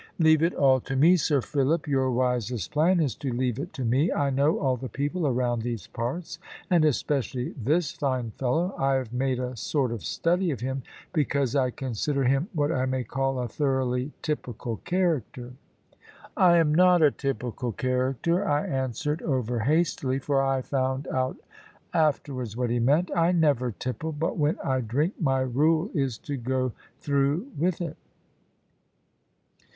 "Leave it all to me, Sir Philip; your wisest plan is to leave it to me. I know all the people around these parts, and especially this fine fellow. I have made a sort of study of him, because I consider him what I may call a thoroughly typical character." "I am not a typical character," I answered, over hastily, for I found out afterwards what he meant. "I never tipple; but when I drink, my rule is to go through with it."